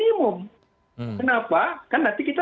itu di undang undang cipta kerja ini tidak muncul